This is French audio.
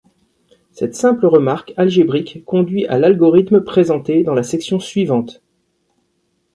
Cette simple remarque algébrique conduit à l'algorithme présenté dans la section suivante.